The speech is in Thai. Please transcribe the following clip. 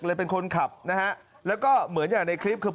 เลยเป็นคนขับนะฮะแล้วก็เหมือนอย่างในคลิปคือ